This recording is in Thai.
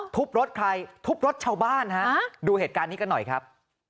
ทุบรถใครทุบรถชาวบ้านฮะดูเหตุการณ์นี้กันหน่อยครับ